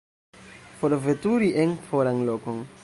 Forveturi en foran lokon.